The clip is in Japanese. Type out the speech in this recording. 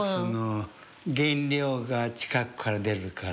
原料が近くから出るから。